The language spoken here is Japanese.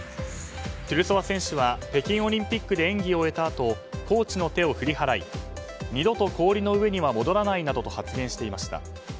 トゥルソワ選手は北京オリンピックで演技を終えたあとコーチの手を振り払い二度と氷の上には戻らないなどと発言していました。